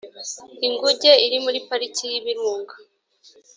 inguge iri muri pariki y ibirunga